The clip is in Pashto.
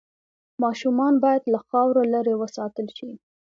ماشومان باید له خاورو لرې وساتل شي۔